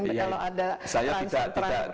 kalau ada transfer transfer yang